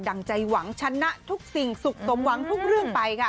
ั่งใจหวังชนะทุกสิ่งสุขสมหวังทุกเรื่องไปค่ะ